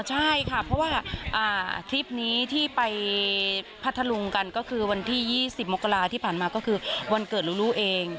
ใช่ค่ะเพราะว่าคลิปนี้ที่ไปพัทธลุงกันก็คือวันที่๒๐มกราที่ผ่านมาก็คือวันเกิดลู่เอง